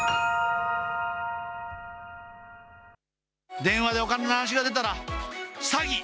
電話でお金の話が出たら詐欺！